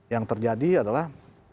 yang terjadi adalah